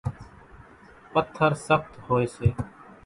پٿر سخت ھوئي سي